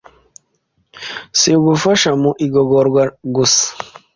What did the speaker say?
Si ugufasha mu igogorwa gusa